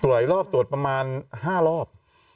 ตรวจหลายรอบตรวจประมาณ๕รอบ